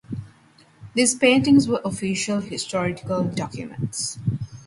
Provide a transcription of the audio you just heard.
These paintings were official historical documents.